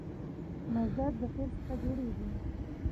مصدر له فعل څخه جوړېږي.